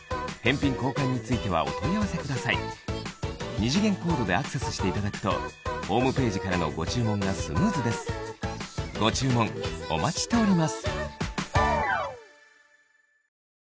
二次元コードでアクセスしていただくとホームページからのご注文がスムーズですご注文お待ちしております